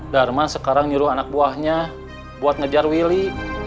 dharma sekarang nyuruh anak buahnya buat ngejar willy